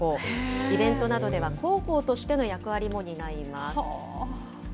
イベントなどでは広報としての役割も担います。